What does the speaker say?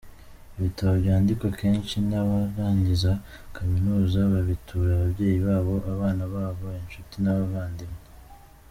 Ibitabo byandikwa kenshi n’abarangiza Kaminuza babitura ababyeyi babo, abana babo, inshuti n’abavandimwe.